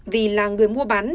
vì là người mua bán